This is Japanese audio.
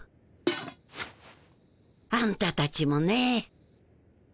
あんたたちもね。